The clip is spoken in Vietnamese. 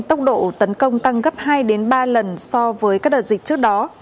tốc độ tấn công tăng gấp hai ba lần so với các đợt dịch trước đó